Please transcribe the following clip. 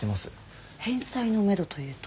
返済のめどというと？